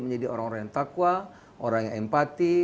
menjadi orang orang yang takwa orang yang empati